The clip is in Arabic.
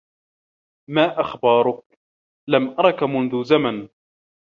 ما أخبارك؟ لم أرك منذ زمن.